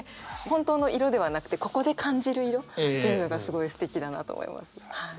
本当の色ではなくてここで感じる色というのがすごいすてきだなと思います。